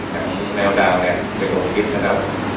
ของแนวดาวเนี่ยเป็นโรคคลิปนะครับ